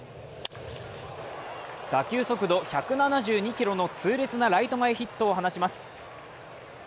打球速度１７２キロの痛烈なライト前ヒットを放ちます。